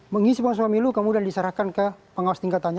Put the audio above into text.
mengisi masa pemilu kemudian diserahkan ke pengawas tingkatannya